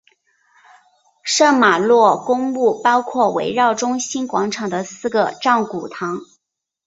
圣玛洛公墓包括围绕中心广场的四个藏骨堂。